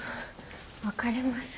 分かります。